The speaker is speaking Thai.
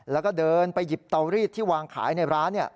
แล้วก็เดินไปหยิบเตารีดที่วางขายในร้าน